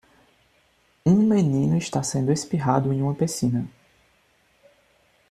Um menino está sendo espirrado em uma piscina